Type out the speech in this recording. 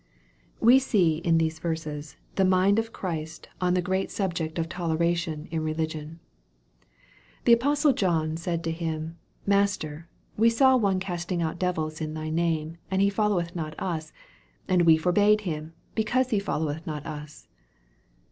WE see in these verses, the mind of Christ on the grecu 190 EXPOSITORY THOUGHTS. subject of toleration in religion. The apostle John said to Him, " Master, we saw one casting out devils in Thy name, and he folio weth not us : and we forbad him, because he folio weth not us."